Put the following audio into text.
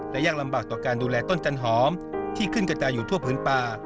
และยากลำบากต่อการดูแลต้นจันหอมที่ขึ้นกระจายอยู่ทั่วพื้นป่า